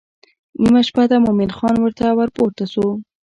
نیمه شپه ده مومن خان ورته ورپورته شو.